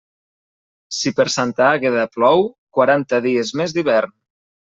Si per Santa Àgueda plou, quaranta dies més d'hivern.